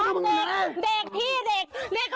พี่ยะพี่หลบห่อ